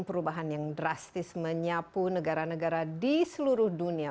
perubahan yang drastis menyapu negara negara di seluruh dunia